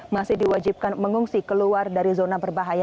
masih diwajibkan mengungsi keluar dari zona berbahaya